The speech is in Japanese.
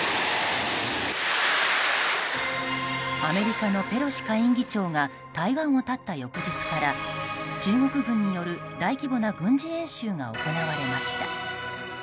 アメリカのペロシ下院議長が台湾を発った翌日から中国軍による大規模な軍事演習が行われました。